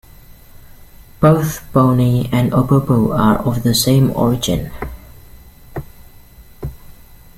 Both Bonny and Opobo are of the same origin.